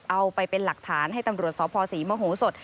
เอาไปเป็นหลักฐานให้ตำรวจสภศรีมโหสด